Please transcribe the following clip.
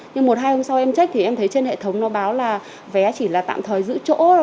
nhưng một hai hôm sau em track thì em thấy trên hệ thống nó báo là vé chỉ là tạm thời giữ chỗ